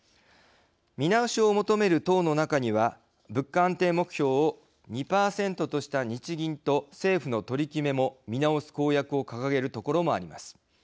見直しを求める党の中には物価安定目標を２％とした日銀と政府の取り決めも見直す公約を掲げるところもあります。